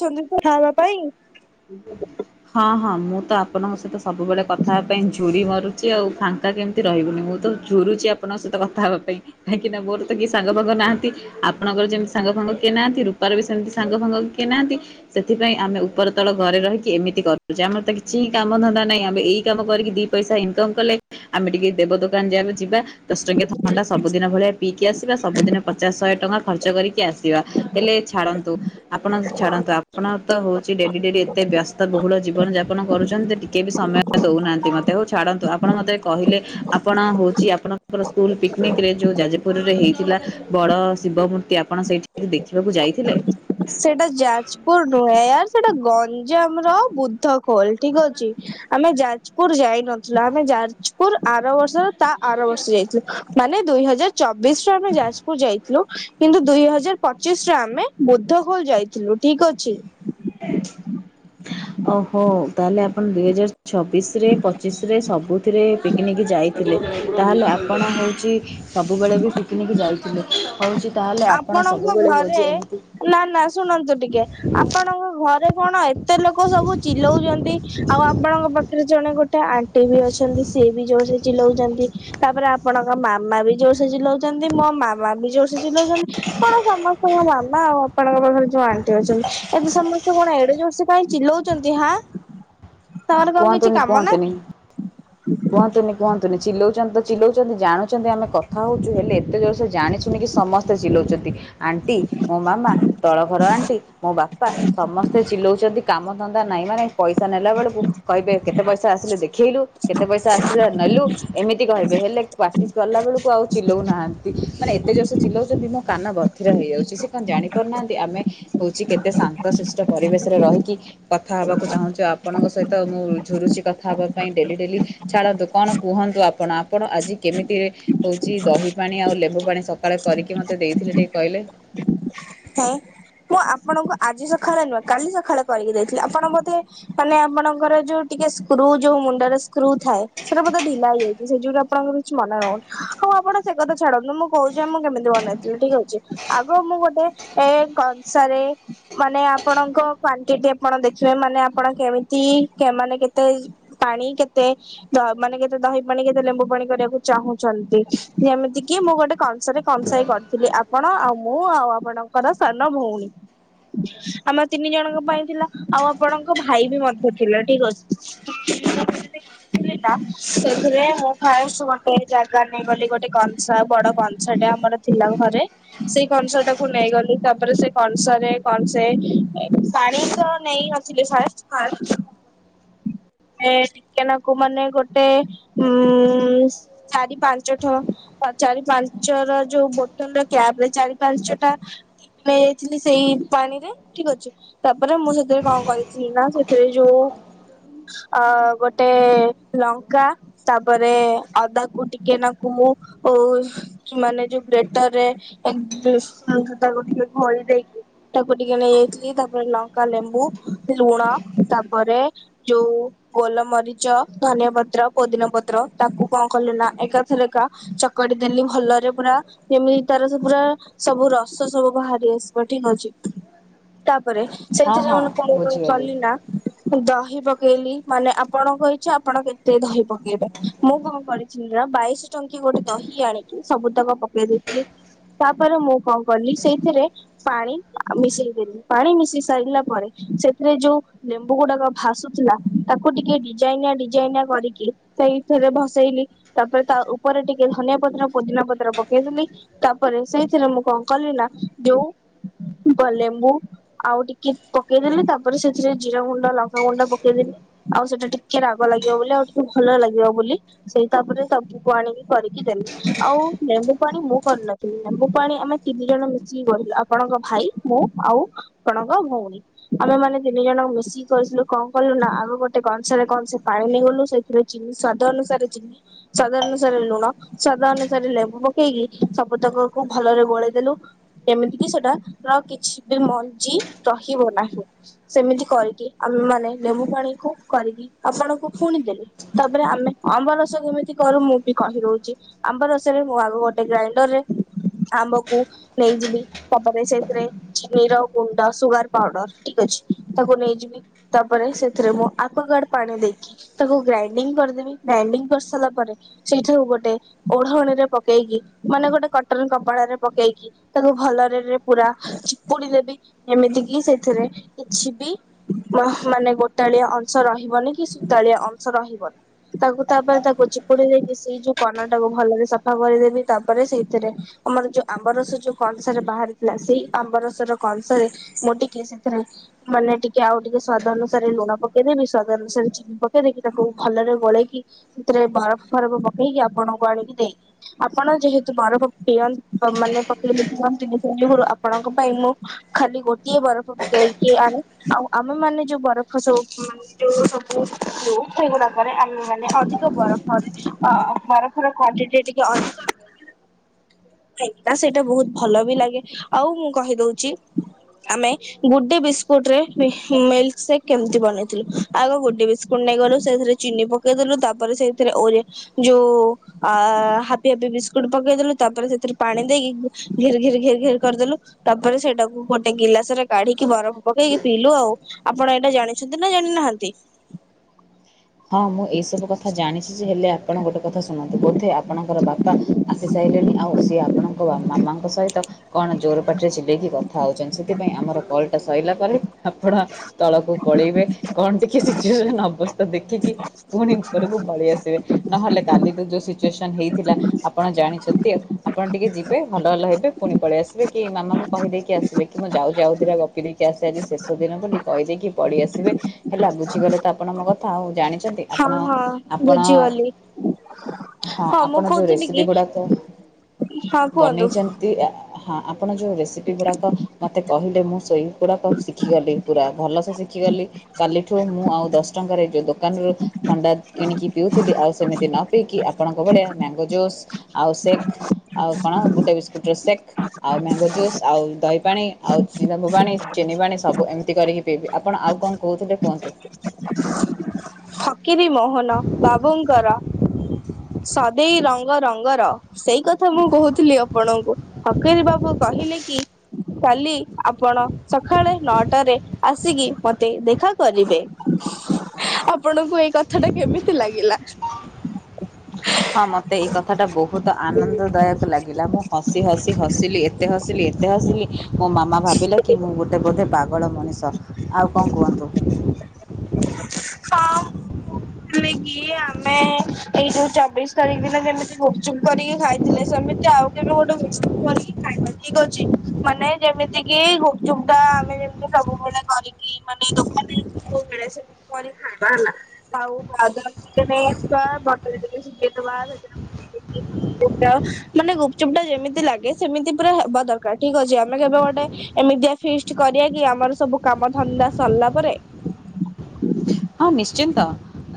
ଚନ୍ଦୁ କଥା ହବା ପାଇଁ ହଁ ହଁ ମୁଁ ତ ଆପଣଙ୍କ ସହିତ ସବୁବେଳେ କଥା ହେବା ପାଇଁ ଝୁରି ମରୁ ଛି ଆଉ ଫାଙ୍କା କେମିତି ରହିବୁନି ମୁଁ ତ ଝୁରୁଛି ଆପଣଙ୍କ ସହିତ କଥା ହେବା ପାଇଁ। କାହିଁକି ନା ମୋର ତ କିଏ ସାଙ୍ଗ ଫାଙ୍ଗ ନାହାନ୍ତି। ଆପଣଙ୍କର ଯେମିତି ସାଙ୍ଗ ଫାଙ୍ଗ କିଏ ନାହାନ୍ତି ରୂପାର ବି ସେମିତି ସାଙ୍ଗ ଫାଙ୍ଗ କିଏ ନାହାନ୍ତି। ସେଥିପାଇଁ ଆମେ ଉପର ତଳ ଘରେ ରହିକି ଏମିତି କରୁ ଆମର ତ କିଛିି ହିଁ କାମ ଧନ୍ଦା ନାହିଁ ଆମେ ଏଇ କାମ କରିକି ଦି ପଇସା ଇନକମ୍ କଲେ ଆମେ ଟିକେ ଦେବ ଦୋକାନ ଯା ଯିବା ଦଶ ଟଙ୍କିଆଥଣ୍ଡା ସବୁଦିନ ଭଳିଆ ପିକି ଆସି ସବୁଦିନ ପଚାଶ ଶହେ ଟଙ୍କା ଖର୍ଚ୍ଚ କରିକି ଆସିବା ହେଲେ ଛାଡ଼ନ୍ତୁ। ଆପଣ ଛାଡ଼ନ୍ତୁ ଆପଣ ତ ହଉଛି ଡେଲି ଡେଲି ଏତେ ବ୍ୟସ୍ତ ବହୁଳ ଜୀବନ ଯାପନ କରୁଛନ୍ତି ଟିକେ ବି ସମୟ ଦଉନାହାନ୍ତି ମତେ ହଉ ଛାଡନ୍ତୁ ଆପଣ ମତେ କହିଲେ ଆପଣ ହଉଛି ଆପଣଙ୍କର ସ୍କୁଲ ପିକିନିକି ରେ ଯୋଉ ଯାଜପୁ- ପୁରରେ ହେଇଥିଲା ବଡ ଶିବ ମୂର୍ତ୍ତି ଆପଣ ସେଇଠି ଦେଖିବାକୁ ଯାଇଥିଲେ? ସେଇଟା ଯାଜପୁର ନୁହେଁ ୟାର ସେଟା ଗଞ୍ଜାମ ର ବୁଦ୍ଧ ଖୋଲ ଠିକ୍ ଅଛି। ଆମେ ଯାଜପୁର ଯାଇ ଯାଉଥିଲା ଆମେ ଯାଜପୁର ଆର ବର୍ଷ ତା ଆର ବର୍ଷ ଯାଇଥିଲୁ ମାନେ ଦୁଇ ହଜାର ଚବିଶ ରୁ ଆମେ ଯାଜପୁର ଯାଇଥିଲୁ କିନ୍ତୁ ଦୁଇ ହଜାର ପ ପଚିଶି ରେ ଆମେ ବୁଦ୍ଧ ଖୋଲ ଯାଇଥିଲୁ ଠିକ୍ ଅଛି। ଓହୋ ତାହେଲେ ଆପଣ ଦୁଇ ହଜାର ଛବିଶରେ ପଚିଶରେ ସବୁଥିରେ ପିକ୍ ନିକି ଯାଇଥିଲେ ତାହେଲେ ଆ ଆପଣ ହଉଛି ସବୁବେଳେ ବି ପିକନିକ୍ ଯାଇଥିଲେ ହଉଛି। ଆପଣଙ୍କ ଘରେ ନାଁ ନାଁ ଶୁଣନ୍ତୁ ଟିକେ ଆପଣଙ୍କ ଘରେ କଣ ଏତେ ଏତେ ଲୋକ ସବୁ ଚିଲଉଛନ୍ତି ଆଉ ଆପଣଙ୍କ ପାଖରେ ଜଣେ ଗୋଟେ ଆ ଆଣ୍ଟି ବି ଅଛନ୍ତି ସିଏ ବି ଜୋରସେ ଚିଲଉଛନ୍ତି ତାପରେ ଆପଣଙ୍କ ମାମା ବି ଜୋରସେ ଚିଲଉଛନ୍ତି। ଛନ୍ତି ମୋ ମାମା ବି ଜୋସେ ଚିଲଉ ଚନ୍ତି କଣ ସମସ୍ତଙ୍କ ମାମା ଆଉ ଆପଣଙ୍କ ପାଖରେ ଯୋଉ ଆଣ୍ଟି ଅଛନ୍ତି ଏବେ ସମସ୍ତ ସେ କଣ ଏଡେ ଜୋରସେ କାଇଁ ଚିଲଉଛନ୍ତି ହାଁ ତାଙ୍କର କଣ କିଛି କୁହନ୍ତୁନି କାମ କୁହନ୍ତୁନି ନାହିଁ? କୁହନ୍ତୁନି କୁହନ୍ତୁନି ଚିଲଉଚନ୍ତି ତ ଚିଲଉଚନ୍ତି ଜାଣୁଛନ୍ତି ଆମେ କଥା ହଉଛୁ ହେଲେ ଏତେ ଜୋର ସେ ଜାଣିଶୁଣିକି ସମସ୍ତେ ସେ ଚିଲଉଛନ୍ତି ଆଣ୍ଟି ମୋ ମାମା। ତଳ ଘର ଆଣ୍ଟି ମୋ ବାପା ସମସ୍ତେ ଚିଲଉଛନ୍ତି କାମଧନ୍ଦା ନାଇଁ ମାନେ ପଇସା ନେଲା ବେଳକୁ କହିବେ କେତେ ପଇସା ଆସିଲେ ଦେଖେଇଲୁ କେତେ ପଇସା ଆସିଲା ନେଲୁ। ଏମିତି କହିବେ ହେଲେ ପ୍ରାଟିସ୍ କଲାବେେଳକୁ ଆଉ ଚିଲଉନାହାନ୍ତି ମାନେ ଏତେ ଜୋରସେ ଚିଲଉଛନ୍ତି ମୋ କାନ ବଧ ଧିର ହୋଇଯାଉଛି ସେ କଣ ଜାଣିପାରୁନାହାନ୍ତି ଆମେ ହଉଛି କେତେ ଶାନ୍ତ ସିଷ୍ଟ ପରିବେଶରେ ରହିକି କଥା ହବାକୁ ଚାହୁଁଛୁ ଆପଣଙ୍କ ସହିତ। ତ ମୁଁ ଝୁରୁଛି କଥା ହେବା ପାଇଁ ଡେଲି ଡେଲି ଛାଡ଼ନ୍ତୁ କଣ କୁହନ୍ତୁ ଆପଣ। ଆପଣ ଆଜି କେମିତିରେ ହେଉଛି ଦହି ପାଣି ଆଉ ଲେମ୍ବୁ ପାଣି ସକାଳେ କରିକି ମୋତେ ଦେଇଥିଲେ ଟିକେ କହିଲେ? ହେଁ ମୁଁ ଆପଣଙ୍କୁ ଆଜି ସକାଳେ ନୁହେଁ କାଲି ସକାଳେ କରିକି ଦେଇଥିଲି ଆପଣ ବୋଧେ ମାନେ ଆପଣଙ୍କର ଯୋଉ ଟିକେ ସ୍କୃ ଯୋଉ ମୁଣ୍ଡର ସ୍କୃ ଥାଏ। ସେଇଟା ବୋଧେ ଢିଲା ହୋଇଯାଇଛି ସେ ଯୋଗୁ ଆପଣର କିଛି ମନେ ରହୁନି ହଉ ଆପଣ ସେ କଥା ଛଡନ୍ତୁ ମୁଁ କହୁଛି ମୁଁ କେମିତି ବନେଇଥିଲି ଠିକ୍ ଅଛି ଆଗ ମୁଁ ଗୋଟେ ଏ କଂସାରେ ମାନେ ଆପଣଙ୍କ କ୍ଵାଣ୍ଟିଟି ଆପଣ ଦେଖିବେ ମାନେ ଆପଣ କେମିତି ସେମାନେ କେତେ ପାଣି କେତେ ତା ମାନେ କେତେ ଦହି ପାଣି କେତେ ଲେମ୍ବୁ ପାଣି କରିବାକୁ ଚାହୁଁଛନ୍ତି, ଯେମିତି କିି ମୁଁ ଗୋଟେ [unintelligible] କନ୍ସାରେ କନ୍ସାଏ କରିଥିଲି, ଆପଣ ଆଉ ମୁଁ ଆଉ ଆପଣଙ୍କର ସାନ ଭଉଣୀ। ଆମ ତିନି ଜଣଙ୍କ ପାଇଁ ଥିଲା ଆଉ ଆପଣଙ୍କ ଭାଇ ବି ମଧ୍ୟ ଥିଲା ଠିକ ଅଛି। [unintelligible] [unintelligible] ସେଥିରେ ମୁଁ ଫାଷ୍ଟ ଗୋଟେ ଜାଗା ନେଇଗଲି ଗୋଟେ କଂସା ବଡ କଂ କଂସାଟା ଆମର ଥିଲା ଘରେ, ସେଇ କଂସଟାକୁ ନେଇଗଲି। ତାପରେ ସେ କଂସାରେ କଂସେ ପାଣି ତ ନେଇ ନଥିଲି ଫାଷ୍ଟ ପା ଏ ଠିକାନକୁ ମାନେ ଗୋଟେ ଉ ଚାରି ପାଞ୍ଚ ଛ ଚାରି ପାଞ୍ଚର ଯୋଉ ବୋଟନ ର କ୍ୟାବରେ ଚାରି ପାଞ୍ଚ ଟା ନେଇଯାଇଥିଲି ସେଇ ପାଣିରେ ଠିକ ଅଛି। ତାପରେ ମୁଁ ସେଥିରେ କଣ କରିଥିଲି ନା ସେଥିରେ ଯୋଉ ଆ ଗୋଟେ ଲଙ୍କା ତାପରେ ଅଦା କୁ ଟିକେ ନାକୁ ମୁଁ ଓ କି ମାନେ ଯୋଉ ଗ୍ରେଟରରେ ତାକୁ ଟିକେ ଘଳି ଦେଇକି ତାକୁ ଟିକେ ନେଇଯାଇଥିଲି, ତାପରେ ଲଙ୍କା ଲେମ୍ବୁ ଲୁଣ ତାପରେ ଯୋଗୁ ଗୋଲମରିଚ ଧନିଆ ପତ୍ର ପୋଦିିନା ପତ୍ର ତାକୁ କଣ କଲେ ନା ଏକାଥଲେକା ଚ କରିଦେଲି ଭଲରେ ପୁରା ଯେମିତି ତାର ସବୁ ପୁରା ବୁର ବିଷ ସବୁ ବାହାରି ଆସିବ ଠିକ ଅଛି ତାପରେ ହଁ ସେଇଥିରେ ହଁ ମାନେ କଣ କଣ ବୁଝିଗଲି [unintelligible] ଟା ଦହି ପକେଇଲି ମାନେ ଆପଣଙ୍କ ଇଚ୍ଛା ଆପଣ କେତେ ଦହି ପକେଇବେ। ମୁଁ କଣ କରିଥିଲି ନା ବାଇଶ ଟଙ୍କି ଗୋଟେ ଦହି ଆଣିକି ସବୁ ତାକ ପକେଇ ଦେଇଥିଲି। ତାପରେ ମୁଁ କଣ କଲି ସେଇଥିରେ ପାଣି ମିଶେଇ ଦେଲି ପାଣି ମିଶି ସାରିଲା ପରେ ସେଥିରେ ଯୋଉ ଲେମ୍ବୁ ଗୁଡାକ ଭାସୁଥିଲା ତାକୁ ଟିକେ ଡିଜାଇନା ଡିଜାଇନା କରିକି ସେଇଥିରେ ଭସେଇଲି ତାପରେ ତା ଉପରେ ଟିକେ ଧନିଆ ପତ୍ର ପୋଦିନା ପତ୍ର ପକେଇଦେଲି। ତାପରେ ସେଇଥିରେ ମୁଁ କଣ କଲି ନା ଯୋଉ ଲେମ୍ବୁ ଆଉ ଟିକେ ପକେଇଦେଲି ତାପରେ ସେଥିରେ ଜିରା ଗୁଣ୍ଡ ଲଙ୍କାଗୁଣ୍ଡ ପକେଇଦେଲି ଆଉ ସେଇଟା ଟିକେ ରାଗ ଲାଗିବ ବୋଲି ଆଉ ଟିକେ ଭଲ ଲାଗିବ ବୋଲି ସେଇ ତାପରେ ତା ଲେମ୍ବ ପାଣି କରିକି ଦେଲେ ଆଉ ଲେମ୍ବୁ ପାଣି ମୁଁ କରୁନଥିଲି ଲେମ୍ବୁ ପାଣି ଆମେ ତିନି ଜଣ ମିଶିକି ଗଢିଲୁ ଆପଣଙ୍କ ଭାଇ ମୁଁ ଆଉ ଆପଣଙ୍କ ଭଉଣୀ। ଆମେ ମାନେ ତିନି ଜଣଙ୍କୁ ମିଶିକି କରିଥିଲୁ କଣ କଲୁ ନା ଆଉ ଗୋଟେ କଂସରେ କଂସେ ପାଣି ନେଇଗଲୁ ସେ ଏଥିରେ ଚିନି ସ୍ଵାଦ ଅନୁସାରେ ଚି ସ୍ଵାଦ ଅନୁସାରେ ଲୁଣ ସ୍ୱାଦ ଅନୁସାରେ ଲେମ୍ବୁ ପକେଇକି ସବୁତକକୁ ଭଲରେ ଗୋଳେଇ ଦେଲୁ ଏମିତି କି ସେଟା କିଛି ବି ମଞ୍ଜି ରହିବ ନାହିଁ। ସେମିତି କରିକି ଆମେ ମାନେ ଲେମ୍ବୁ ପାଣି କୁ କରିକି ଆପଣଙ୍କୁ ପୁଣି ଦେଲୁ। ତାପରେ ଆମେ ଅମ୍ବରସ କେମିତି କରୁ ମୁଁ ବି କହି ଦୋଉଚି। ଆମ୍ବ ରସରେ ମୁଁ ଆଗ ଗୋଟେ ଗ୍ରାଇଣ୍ଡରରେ ଆମ୍ବକୁ ନେଇଯିବି। ତାପରେ ସେଥିରେ ଚିନି ର ଗୁଣ୍ଡ ସୁଗାର ପାଉଡର ଠିକ ଅଛି ତାକୁ ନେଇଯିବି। ତାପରେ ସେଥିରେ ମୁଁ ଆକ୍ଵା ଗାଡ ପାଣି ଦେଇକି ତାକୁ ଗ୍ରାଇଣ୍ଡିଙ୍ଗ କରିଦେବି ଗ୍ରାଇଣ୍ଡିଙ୍ଗ କରିସାରିଲା ପରେ ସେଇଠାରୁ ଗୋଟେ ଓଢଣୀ ରେ ପକେଇକି ମାନେ ଗୋଟେ କଟନ କପଡାରେ ପକେଇକି ତାକୁ ଭଲରେରେ ପୁରା ଚିପୁଡି ଦେବି ଏମିତି କିି ସେଥିରେ କିଛି ବି ମାନେ ଗୋଟଳିଆ ଅଂଶ ରହିବନି କି ସୁତାଳିଆ ଅଂଶ ରହିବନି। ତାକୁ ତାପରେ ତାକୁ ଚିପୁଡି ଦେଇକି ସେଇ ଯୋଉ କନଟାକୁ ଭଲରେ ସଫା କରିଦେବି ତାପରେ ସେଇଥିରେ ଆମର ଯ ଆମ୍ବରସ ଯୋଉ କଂସା ରେ ବାହାରିଥିଲା ସେଇ ଆମ୍ବରସ ର କଂସ ରେ ମୋଟିକି ସେଥିରେ ମାନେ ଟିକେ ଆଉ ଟିକେ ସ୍ଵାଦ ଅନୁସାରେ ଲୁଣ ପକେଇଦେବି। ସ୍ଵାଦ ଅନୁସାରେ ଚିନି ପକେଇ ଦେଇକି ତାକୁ ଭଲରେ ଗୋଳେଇକି ସେଥିରେ ବରଫ ଫରଫ ପକେଇକି ଆପଣଙ୍କୁ ଆଣିକି ଦେଇ ଦେବି ଆପଣ ଯେହେତୁ ବରଫ ପିଅ ମାନେ ପକେଇଲେ ପିଅନ୍ତିନି ସେଇଯୋଗୁରୁ ଆପଣଙ୍କ ପାଇଁ ମୁଁ ଖାଲି ଗୋଟିଏ ବରଫ ପକେଇକି ଆଣେ ଆଉ ଆମେ ମାନେ ଯୋଉ ବରଫ ସବୁ ଯୋଉ ସ [unintelligible] ଗୁଡାକରେ ଆମେ ମାନେ ଅଧିକ ବରଫ ଅ ବରଫର କ୍ଵାଣ୍ଟିଟି ଟିକେ ଅଧିକ ତା ସେଇଟା ବହୁତ ଭଲ ବି ଲାଗେ ଆଉ ମୁଁ କହି ଦଉଛି ଆମେ ଗୁଡେ ବିସ୍କୁଟରେ ମିଲ୍କି ସେକ କେମିତି ବନେଇଥିଲୁ? ଆଗ ଗୁଡେ ବିସ୍କୁଟ ନେଇଗଲୁ ସେଥିରେ ଚିନି ପକେଇଦେଲୁ ତାପରେ ସେଇଥିରେ ଓରେ ଯୋଉ ହାପି ହାପି ବିସ୍କୁଟ ପକେଇଦଲୁ ତାପରେ ସେ ଥିରେ ପାଣି ଦେଇକି ଘିର୍ ଘିର୍ ଘିର୍ ଘିରି କରିଦେଲୁ ତାପରେ ସେଇଟାକୁ ଗୋଟେ ଗିଲାସ ରେ କାଢିକି ବରଫ ପକେଇକି ପିଇଲୁ ଆଉ ଆପଣ ଏଇଟା ଜାଣିଛନ୍ତି ନା ଜାଣିନାହାନ୍ତି? ହଁ ମୁଁ ଏଇସବୁ କଥା ଜାଣିଛି ଯେ ହେଲେ ଆପଣ ଗୋଟେ କଥା ଶୁଣନ୍ତୁ ବୋଧେ ଆପଣଙ୍କର ବାପା ଆସି ସାରିଲେଣି ଆଉ ସିଏ ଆପଣଙ୍କ ବା ମାମାଙ୍କ ସହିତ କଣ ଜୋର ପାଟିରେ ଚିଲେଇକି କଥା ହଉଛନ୍ତି ସେଥିପାଇଁ ଆମର କଲଟା ସରିଲା ପରେ ଆପଣ ତଳକୁ ପଳେଇବେ କଣ ଟିକେ ସିଚୁଏସନ ଅବସ୍ଥା ଦେଖିକି ପୁଣି ଉପରକୁ ପଳେଇ ଆସିବେ। ନହେଲେ କାଲି ତ ଯୋଉ ସିଚୁଏସନ ହେଇଥିଲା ଆପଣ ଜାଣିଛନ୍ତି ଆଉ। ଆପଣ ଟିକେ ଯିବେ ହଲ ହଲ ହେବେ ପୁଣି ପଳେଇ ଆସିବେ କି ମାମାଙ୍କୁ କହିଦେଇକି ଆସିବେ କି ମୁଁ ଯାଉଛି ଆଉ ଦିଟା ଗ କରିକି ଆସେ ଆଜି ଶେଷ ଦିନ ବୋଲି କହିଦେଇକି ପଳିଆସିବେ ହେଲା ବୁଝିଗଲେ ତ ଆପଣ ମୋ କଥା ଆଉ ଜାଣିଥି ଛନ୍ତି ହଁ ଆପଣ ହଁ ଆପଣ ବୁଝିଗଲି। ହଁ ମୁଁ ଆପଣ ଯୋଉ କହୁଥିଲି ରେସିପି କି ଗୁଡାକ ହଁ କୁହନ୍ତୁ ବନେଇଛନ୍ତି ଆ ହଁ ଆପଣ ଯେଉଁ ରେସିପି ଗୁଡ଼ାକ ମୋତେ କହିଲେ ମୁଁ ଶୋଇ ପୁରାକ ଶିଖିଗଲି ପୁରା ଭଲସେ ଶିଖିଗଲି। କାଲିଠୁ ମୁଁ ଆଉ ଦଶ ଟଙ୍କାରେ ଯେଉଁ ଦୋକାନରୁ ଥଣ୍ଡା କିଣିକି ପିଉଥିଲି ଆଉ ସେମିତି ନ ପିଇକି ଆପଣଙ୍କ ଭଳିଆ ମ୍ୟାଙ୍ଗୋ ଜୁସ୍ ଆଉ ସେକ୍ ଆଉ କଣ ଗୁଡେ ବିସ୍କୁଟ ର ସେକ୍। ଆଉ ମ୍ୟାଙ୍ଗୋ ଜୁସ୍ ଆଉ ଦହି ପାଣି ଆଉ ଲେମ୍ବୁପାଣି, ଚିନି ପାଣି ସବୁ ଏମିତି କରିକି ପିଇବି ଆପଣ ଆଉ କଣ କହୁଥିଲେ କୁହନ୍ତୁ? [inaudible] କିିରି ମୋହନ ବାବୁଙ୍କର ସଦେଇ ରଙ୍ଗ ରଙ୍ଗର ସେଇ କଥା ମୁଁ କହୁଥିଲି ଆପଣଙ୍କୁ ଫକିର ବାବୁ କହିଲେ କି କାଲି ଆପଣ ସଖାଳେ ନଅଟାରେ ଆସିକି ମତେ ଦେଖା କରିବେ। ଆପଣଙ୍କୁ ଏଇ କଥା ଟା କେମିତି ଲାଗିଲା? ହଁ ମୋତେ ଏଇ କଥାଟା ବହୁତ ଆନନ୍ଦଦାୟକ ଲାଗିଲା ମୁଁ ହସି ହସି ହସିଲି ଏ ଏତେ ହସିଲି ଏତେ ହସିଲି ମୋ ମାମା ଭାବିଲା କି ମୁଁ ଗୋଟେ ବୋଧେ ପାଗଳ ମଣିଷ ଆଉ କଣ କୁହନ୍ତୁ? ହଁ ମୁଁ କହୁଥିଲି କି ଆମେ ଏଇ ଯୋଉ ଚବିଶ ତାରିଖ ଦିନ ଯେମିତି ଗୁପୁଚପ୍ କରିକି ଖାଇଥିଲେ ସେମିତି ଆଉ କେବେ ଗୋଟେ ଗୁପୁଚପ୍ କରିକି ଖାଇବାର ଠିକ ଅଛି ମାନେ ଯେମିତି କି ଗୁପଚୁପ ଟା ଆମେ ଯେମିତି ସବୁବେଳେ କରିକି ମାନେ ଦୋକାନ ସୋଉବେଳେ ସେ କରିକି ଖାଇବା ହେଲା। ଆଉ ବାଦାମ୍ ଟିକେ ନେଇ ଆସିବା ବଟର ଟିକେ ସିଝେଇଦବା ସେଥିରେ ପକେଇକି। ମାନେ ଗୁପଚୁପ୍ ଟା ଯେମିତି ଲାଗେ ସେମିତି ପୁରା ହେବା ଦରକାର ଠିକ ଅଛି ଆମେ କେବେ ଗୋଟେ ଏମିତିଆ ଫିଷ୍ଟ କରିବା କି ଆମର ସବୁ କାମ ଧନ୍ଦା ସରିଲା ପରେ। ହଁ ନିଶ୍ଚିନ୍ତ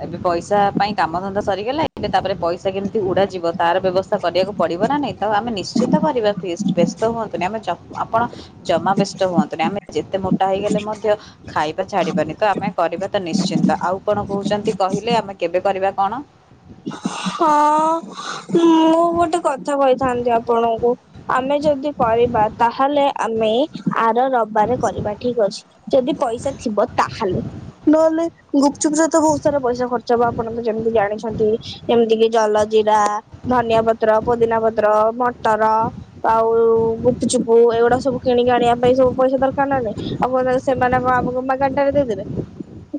ଏବେ ପଇସା ପାଇଁ କାମ ଧନ୍ଦା ସରିଗଲା ଏବେ ତାପରେ ପଇସା କେମିତି ଉଡାଯିବ ତାର ବ୍ୟବସ୍ଥା କରିବାକୁ ପଡିବ ନା ନାଇଁ ତ ଆମେ ନିଶ୍ଚିନ୍ତ କରିବା ଫିଷ୍ଟ। ବ୍ୟସ୍ତ ହୁଅନ୍ତୁନି ଆମେ ଚ ଆପଣ ଜମା ବ୍ୟସ୍ତ ହୁଅନ୍ତୁନି ଆମେ ଯେତେ ମୋଟା ହେଇଗଲେ ମଧ୍ୟ ଖାଇବା ଛାଡିବାନି ତ ଆମେ କରିବା ତ ନିଶ୍ଚିନ୍ତ ଆଉ କଣ କହୁଛନ୍ତି କହିଲେ ଆମେ କେବେ କରିବା କଣ? ହଁ ମୁଁ ଗୋଟେ କଥା କହିଥାନ୍ତି ଆପଣଙ୍କୁ? ଆମେ ଯଦି କରିବା ତାହେଲେ ଆମେ ଆର ରବାରେ କରିବା ଠିକ୍ ଅଛି। ଯଦି ପଇସା ଥିବ ତାହେଲେ। ନହେଲେ ଗୁପ୍ ଚୁପ୍ ସହିତ ବୋହୁତ୍ ସାରା ପଇସା ଖର୍ଚ୍ଚ ହେବ, ଆପଣ ତ ଯେମିତି ଜାଣିଛନ୍ତି। ଯେମିତି କିି ଜଲ ଜିରା ଧନିଆ ପତ୍ର, ପୋଦିନା ପତ୍ର, ମଟର ଆଉ ଗୁପୁଚୁପୁ ଏଇଗୁଡା ସବୁ କିଣିକି ଆଣିବା ପାଇଁ ସବୁ ପଇସା ଦରକାର ନା ନାହିଁ? ଆଉ କଣ ସେମାନେ ଆମକୁ ମାଗାଟାରେ ଦେଇ ଦେବେ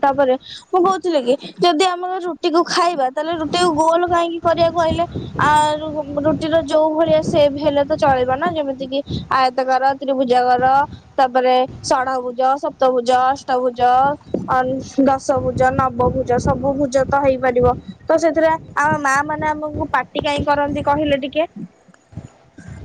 ତାପରେ ମୁଁ କହୁଥିଲି କି ଯଦି ଆମର ରୁଟି କୁ ଖାଇବା ତାହେଲେ ରୁଟି କୁ ଗୋଲ କାହିଁକି କରିବାକୁ କହିଲେ? ଆଉ ରୁଟିର ଯୋଉ ଭଳିଆ ସେଭ ହେଲେ ତ ଚଳିବନା, ଯେମିତି କି ଆୟତ କର ତ୍ରିଭୂଜା କର ତାପରେ ଷଢ ଭୁଜ, ସପ୍ତଭୁଜ, ଅଷ୍ଟଭୁଜ, ଦଶଭୁଜ, ନବଭୁଜ ଭଜ ସବୁ ଭୁଜ ତ ହେଇପାରିବ ତ ସେଥିରେ ଆମ ମା ମାନେ ଆମକୁ ପାର୍ଟି କାହିଁ କରନ୍ତି କହିଲେ ଟିକେ?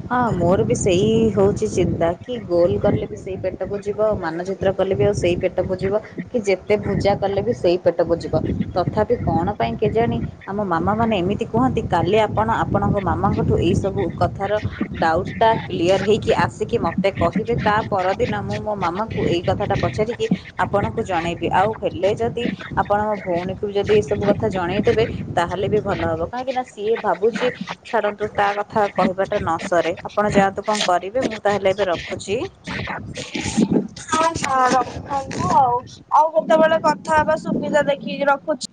ହଁ ମୋର ବି ସେଇ ହଉଛି ଚିନ୍ତା, କି ଗୋଲ ଗଲେ ବି ସେଇ ପେଟକୁ ଯିବ ଆଉ ମାନ ଚିତ୍ର କଲେବି ଆଉ ସେଇ ପେଟ କୁ ଜିବ କି ଯେତେ ପୂଜା କଲେ ବି ସେଇ ପେଟକୁ ଯିବ। ତଥାପି କଣ ପାଇଁ କେଜାଣି ଆମ ମାମା ମାନେ ଏମିତି କୁହନ୍ତି, କାଲି ଆପଣ ଆପଣଙ୍କ ମାମାଙ୍କଠୁ ଏଇ ସବୁ କଥାର ଡାଉଟ୍ ଟା କ୍ଲିଅର ହେଇକି ଆସିକି ମତେ କହିବେ, ତା ପରଦିନ ମୁଁ ମୋ ମାମାକୁ କଥାଟା ପଚାରିକି ଆପଣଙ୍କୁ ଜଣେଇବି। ଆଉ ହେଲେ ଯଦି ଆପଣ ଭଉଣୀକୁ ବି ଯଦି ଏ ସବୁ କଥା ଜଣେଇଦେବେ ତାହେଲେ ବି ଭଲ ହବ କାହିଁକି ନା ସିଏ ଭାବୁଛି ଛାଡନ୍ତୁ ତା କଥା କହିବାଟା ନ ସରେ, ଆପଣ ଯାହତୁ କଣ କରିବେ, ମୁଁ ତାହେଲେ ଏବେ ରଖୁଛି? ହଁ। ହଁ ରଖନ୍ତୁ ଆଉ ଆଉ କେତେବେଳେ କଥା ହବା ସୁବିଧା ଦେଖିକି, ରଖୁଛି।